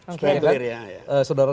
sudah spikulir ya